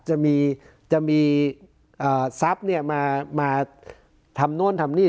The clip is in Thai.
จะมีจะมีเอ่อทรัพย์เนี้ยมามาทำนู่นทำนี่